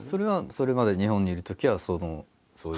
それまで日本にいるときはそのそういう。